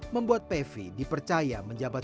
membuat pevi dipercaya menjabat